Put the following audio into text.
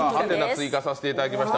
追加させていただきました。